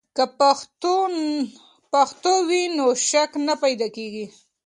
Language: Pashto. که پښتو وي، نو شک نه پیدا کیږي.